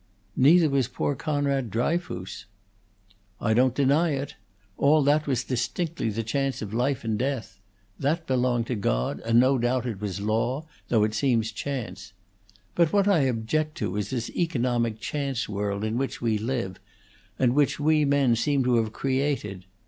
"Neither was poor Conrad Dryfoos." "I don't deny it. All that was distinctly the chance of life and death. That belonged to God; and no doubt it was law, though it seems chance. But what I object to is this economic chance world in which we live, and which we men seem to have created.